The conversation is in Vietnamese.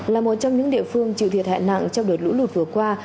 là một trong những địa phương chịu thiệt hại nặng trong đợt lũ lụt vừa qua